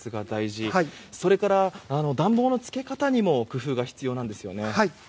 それから暖房のつけ方にも工夫が必要なんですよね。